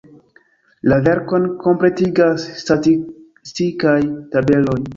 La verkon kompletigas statistikaj tabeloj.